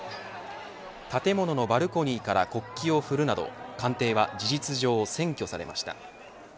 建物のバルコニーから国旗を振るなど官邸は事実上占拠されました。